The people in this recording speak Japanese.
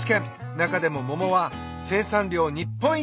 中でも桃は生産量日本一だそうです。